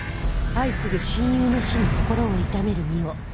相次ぐ親友の死に心を痛める望緒